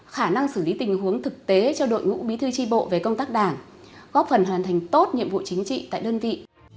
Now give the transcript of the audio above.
khả năng xử lý tình huống thực tế cho đội ngũ bí thư tri bộ về công tác đảng góp phần hoàn thành tốt nhiệm vụ chính trị tại đơn vị